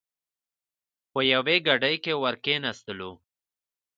په یوې ګاډۍ کې ور کېناستلو.